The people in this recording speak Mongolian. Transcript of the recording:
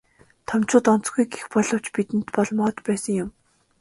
Томчууд онцгүй гэх боловч бидэнд бол моод байсан юм.